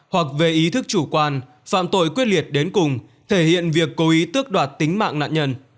hoặc về ý thức chủ quan phạm tội quyết liệt đến cùng thể hiện việc cố ý tước đoạt tính mạng nạn nhân